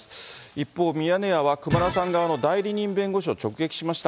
一方、ミヤネ屋は熊田さん側の代理人弁護士を直撃しました。